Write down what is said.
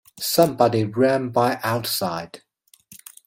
Somebody ran by outside.